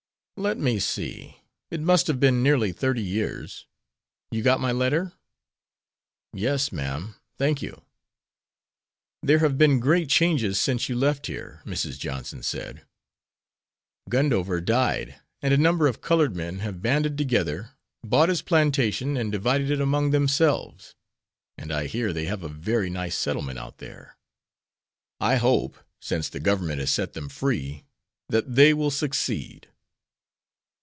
"Let me see; it must have been nearly thirty years. You got my letter?" "Yes, ma'am; thank you." "There have been great changes since you left here," Mrs. Johnson said. "Gundover died, and a number of colored men have banded together, bought his plantation, and divided it among themselves. And I hear they have a very nice settlement out there. I hope, since the Government has set them free, that they will succeed."